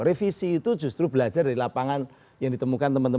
revisi itu justru belajar dari lapangan yang ditemukan teman teman